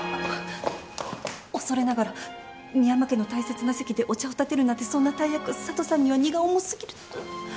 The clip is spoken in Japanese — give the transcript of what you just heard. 恐れながら深山家の大切な席でお茶をたてるなんてそんな大役佐都さんには荷が重すぎる。